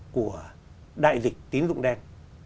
của đại dịch tín dụng đen